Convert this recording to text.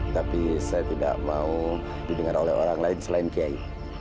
tapi saya tidak mau didengar oleh orang lain selain kiai